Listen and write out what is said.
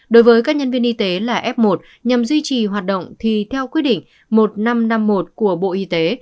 đối với các nhân viên y tế là f một nhằm duy trì hoạt động thì theo quyết định một nghìn năm trăm năm mươi một của bộ y tế